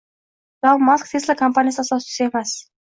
Ilon Mask Tesla kompaniyasi asoschisi emas.